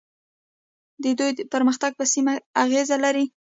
د دوی پرمختګ په سیمه اغیز لري.